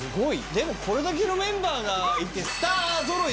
でもこれだけのメンバーがいて。